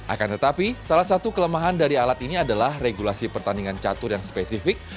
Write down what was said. akan tetapi salah satu kelemahan dari alat ini adalah regulasi pertandingan catur yang spesifik